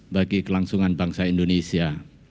bagi kelangsungan bangsa indonesia